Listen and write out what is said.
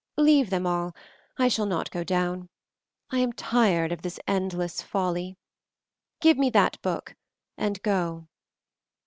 "Leave them all; I shall not go down. I am tired of this endless folly. Give me that book and go."